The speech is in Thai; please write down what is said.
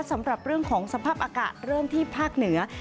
สำหรับเรื่องของสภาพอากาศเริ่มที่ภาคเหนือ